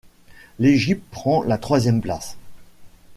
L'Égypte prend la troisième place.